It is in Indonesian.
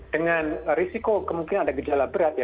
dengan risiko kemungkinan ada gejala berat ya